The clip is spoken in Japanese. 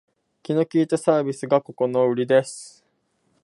気の利いたサービスがここのウリです